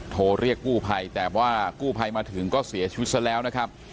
โทรเรียกกู้ภัยแต่ว่ากู้ภัยมาถึงก็เสียชีวิตซะแล้วนะครับ